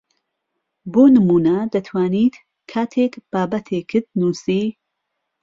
بۆ نموونە دەتوانیت کاتێک بابەتێکت نووسی